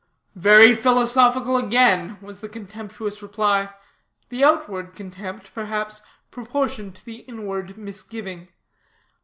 '" "Very philosophical again," was the contemptuous reply the outward contempt, perhaps, proportioned to the inward misgiving.